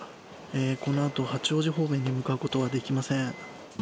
このあと八王子方面に向かうことはできません。